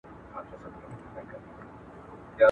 ټولنيز علم تر فردي علم پراخ دی.